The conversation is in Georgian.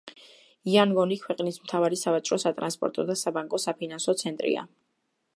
იანგონი ქვეყნის მთავარი სავაჭრო-სატრანსპორტო და საბანკო-საფინანსო ცენტრია.